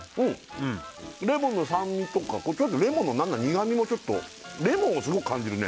うんレモンの酸味とかレモンの何か苦みもちょっとレモンをすごく感じるね